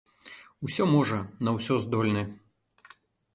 Усё можа, на ўсё здольны.